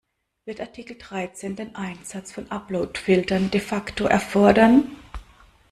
Wird Artikel Dreizehn den Einsatz von Upload-Filtern de facto erfordern?